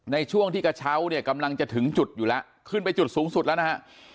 ในช่วงที่กระเช้าเนี่ยกำลังจะถึงจุดอยู่แล้วขึ้นไปจุดสูงสุดแล้วนะฮะ